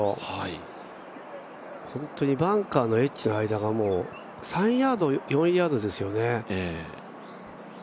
本当にバンカーとエッジの間が３ヤード、４ヤードですよね。